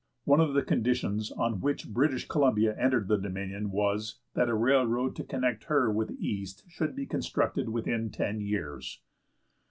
One of the conditions on which British Columbia entered the Dominion was, that a railroad to connect her with the east should be constructed within ten years.